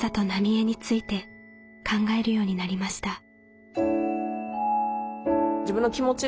浪江について考えるようになりました。